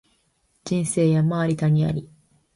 人生山あり谷あり